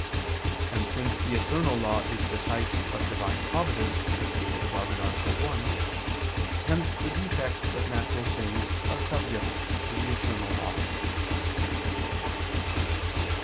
And since the eternal law is the type of Divine providence, as stated above (A. 1), hence the defects of natural things are subject to the eternal law.